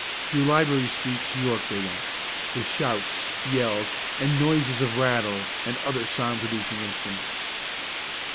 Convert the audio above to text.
Through Library street to York they went, with shouts, yells and noises of rattles and other sound producing instruments.